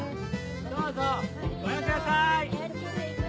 どうぞご覧ください！